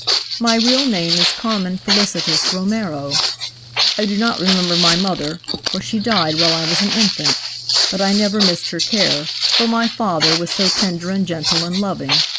My real name is Carmen Felicitas Romero. I do not remember my mother, for she died while I was an infant, but I never missed her care, for my father was so tender and gentle and loving.